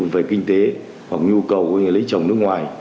về kinh tế hoặc nhu cầu của người lấy chồng nước ngoài